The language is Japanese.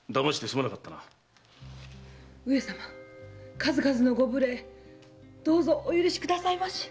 数々のご無礼どうぞお許しくださいまし。